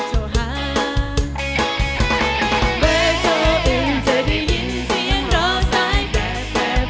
โทรหาเวทโทรอื่นจะได้ยินเสียงรอสายแบบแบบ